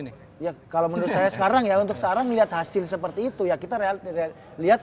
nih ya kalau menurut saya sekarang ya untuk sekarang melihat hasil seperti itu ya kita lihat